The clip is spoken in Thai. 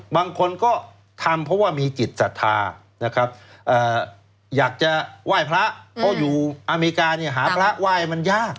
บางคนก็ทำเพราะว่ามีจิตศรัทธานะครับอยากจะไหว้พระเพราะอยู่อเมริกาเนี่ยหาพระไหว้มันยาก